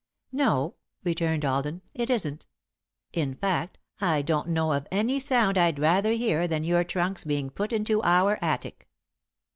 "No," returned Alden, "it isn't. In fact, I don't know of any sound I'd rather hear than your trunks being put into our attic."